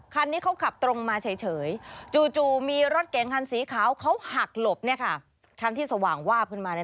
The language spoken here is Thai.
คันนี้เขาขับตรงมาเฉยจู่มีรถเก๋งคันสีขาวเขาหักหลบคันที่สว่างวาบขึ้นมา